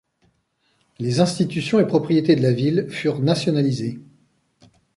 Les institutions et propriétés de la ville furent nationalisées.